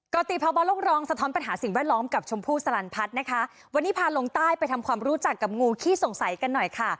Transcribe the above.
กรติภาวะโลกรองสะท้อนปัญหาสิ่งแวดล้อมกับชมพู่สลันพัฒน์นะคะวันนี้พาลงใต้ไปทำความรู้จักกับงูขี้สงสัยกันหน่อยค่ะ